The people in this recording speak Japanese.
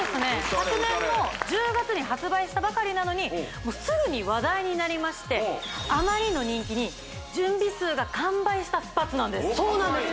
昨年の１０月に発売したばかりなのにすぐに話題になりましてあまりの人気に準備数が完売したスパッツなんですそうなんです